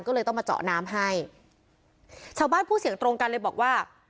ก็เลยต้องมาเจาะน้ำให้ชาวบ้านพูดเสียงตรงกันเลยบอกว่า